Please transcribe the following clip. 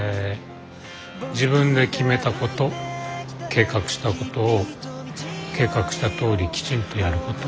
自分で決めたこと計画したことを計画したとおりきちんとやること。